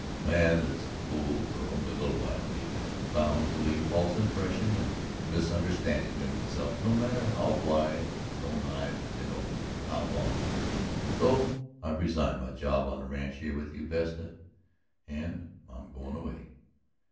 "A man that's a fool for only a little while, even, is bound to leave false impressions and misunderstandings of himself, no matter how wide his own eyes have been opened, or how long. So I've resigned my job on the ranch here with you, Vesta, and I'm going away."